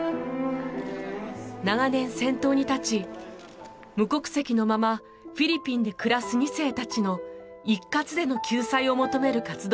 長年先頭に立ち無国籍のままフィリピンで暮らす２世たちの一括での救済を求める活動を続けてきました。